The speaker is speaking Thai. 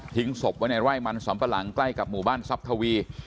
ทิ้งศพไว้ในว่ายมันสำปะหลังใกล้กับหมู่บ้านทรัพย์ทวี